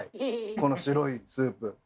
この白いスープ。